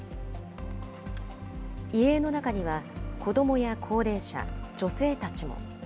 遺影の中には、子どもや高齢者、女性たちも。